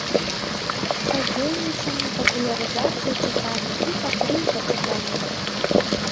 Садзейнiчанне папулярызацыi чытання i падтрымка чытання.